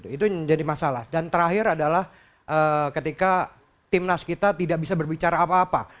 itu menjadi masalah dan terakhir adalah ketika timnas kita tidak bisa berbicara apa apa